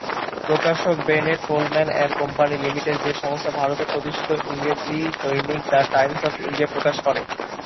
প্রকাশক Bennett Coleman and company limited, যে সংস্থা ভারতের প্রতিষ্ঠিত ইংরেজি দৈনিক 'দ্য টাইমস অফ ইন্ডিয়া' প্রকাশ করে।